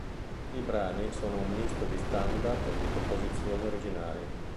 I brani sono un misto di standard e composizioni originali.